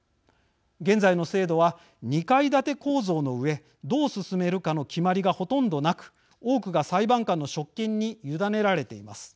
現在の制度は２階建て構造のうえどう進めるかの決まりがほとんどなく、多くが裁判官の職権に委ねられています。